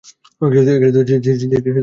তিনি শুধু একা নেমে এসেছেন।